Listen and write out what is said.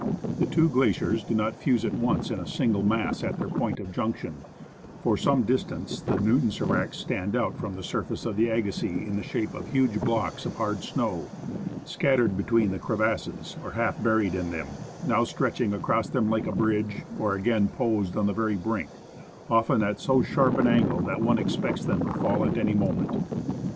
The two glaciers do not fuse at once in a single mass at their point of junction ; for some distance the Newton sdracs stand out from the surface of the Agassiz in the shape of huge blocks of hard snow, scattered between the crevasses, or half buried in them, now stretching across them like a bridge, or again poised on the very brink, often at so sharp an angle that one expects them to fall at any moment.